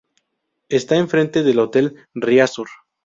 Esta en frente del hotel Riazor.